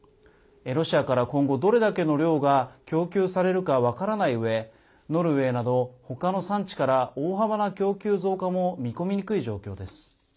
ロシアから今後どれだけの量が供給されるか分からないうえノルウェーなど他の産地から大幅な供給増加も見込みにくい状況です。